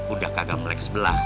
udah kagak melek sebelah